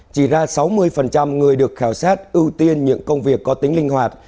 chỉ ra sáu mươi người được khảo sát ưu tiên những công việc có tính linh hoạt